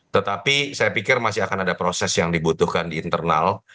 tetapi saya pikir masih akan ada proses yang dibutuhkan di internal